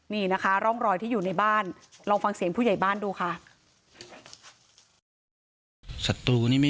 นี่นะคะร่องรอยที่อยู่ในบ้านลองฟังเสียงผู้ใหญ่บ้านดูค่ะ